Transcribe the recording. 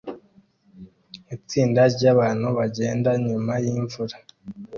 Itsinda ryabantu bagenda nyuma yimvura